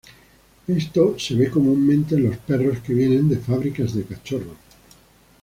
Esto se ve comúnmente en los perros que vienen de fábricas de cachorros.